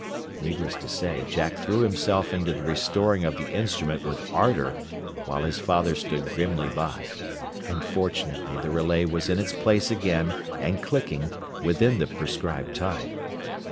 Needless to say, Jack threw himself into the restoring of the instrument with ardor, while his father stood grimly by. And fortunately the relay was in its place again, and clicking, within the prescribed time.